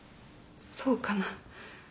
そうかな？